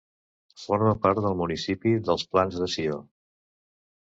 Forma part del municipi dels Plans de Sió.